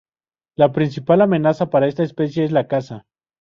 La principal amenaza para esta especie es la caza.